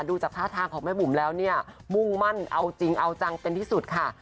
ดูจากท่าทางของแม่บุ๋มแล้วเนี่ยมุ่งมั่นเอาจริงเอาจังเป็นที่สุดค่ะ